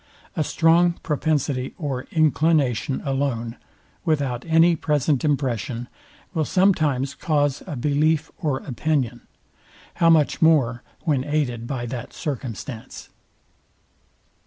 A strong propensity or inclination alone, without any present impression, will sometimes cause a belief or opinion. How much more when aided by that circumstance?